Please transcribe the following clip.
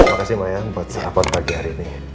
terima kasih maya buat sarapan pagi hari ini